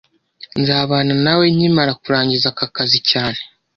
Nzabana nawe nkimara kurangiza aka kazi cyane